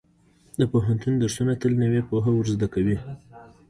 د پوهنتون درسونه تل نوې پوهه ورزده کوي.